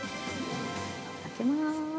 開けまーす。